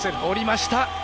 降りました。